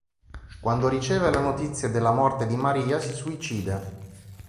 Quando riceve la notizia della morte di Maria, si suicida.